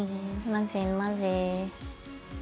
混ぜ混ぜ。